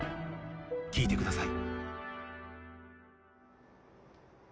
聴いてください。